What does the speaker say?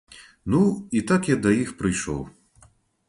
Ну і так я да іх прыйшоў.